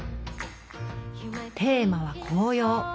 テーマは「紅葉」。